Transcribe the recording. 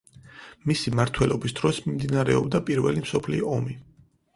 მისი მმართველობის დროს მიმდინარეობდა პირველი მსოფლიო ომი.